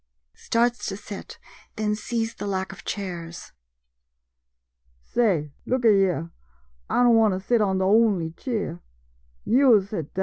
[Starts to sit, then sees the lack of chairs.] Say, look a yere, I don' want to sit on de only cheer — yo' sit down.